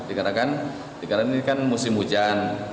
dikarenakan ini kan musim hujan